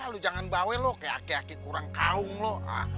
lo jangan bawa lo ke aki aki kurang kaum lo